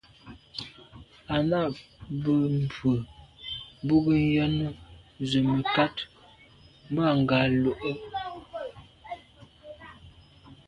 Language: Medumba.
À’ nâ’ bə́ mbrə̀ bú gə ́yɑ́nə́ zə̀ mə̀kát mbâ ngɑ̀ lù’ə́.